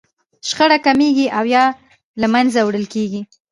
شخړه کمیږي او يا له منځه وړل کېږي.